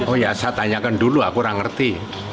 oh ya saya tanyakan dulu aku kurang ngerti